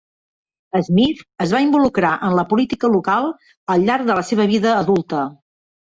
Smith es va involucrar en la política local al llarg de la seva vida adulta.